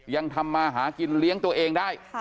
ยังทำมาหากินเลี้ยงตัวเองได้